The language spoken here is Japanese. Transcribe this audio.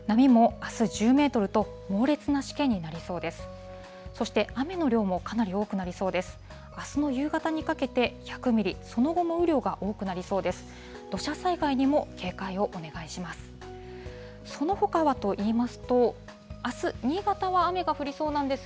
あすの夕方にかけて１００ミリ、その後も雨量が多くなりそうです。